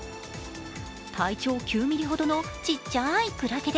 体長９ｍｍほどのちっちゃいクラゲ。